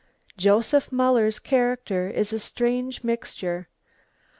Joseph Muller's character is a strange mixture.